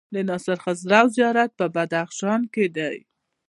د ناصر خسرو زيارت په بدخشان کی دی